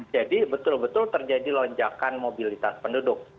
betul betul terjadi lonjakan mobilitas penduduk